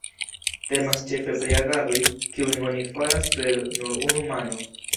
Temas ĉefe pri agadoj, kiujn oni faras per nur unu mano.